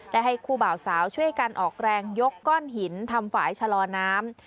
และให้คู่บ่าวสาวช่วยกันออกแรงยกก้อนหินทำฝ่ายชะลอน้ำ